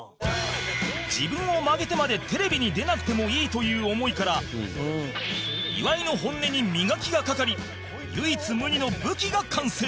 自分を曲げてまでテレビに出なくてもいいという思いから岩井の本音に磨きがかかり唯一無二の武器が完成